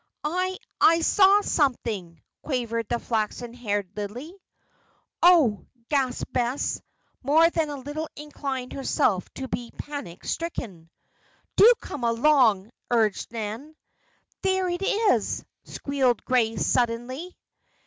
"I I saw something," quavered the flaxen haired Lillie. "Oh!" gasped Bess, more than a little inclined herself to be panic stricken. "Do come along!" urged Nan. "There it is!" squealed Grace, suddenly.